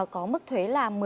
có mức thuế là một mươi